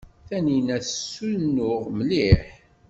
Taninna tessunuɣ mliḥ.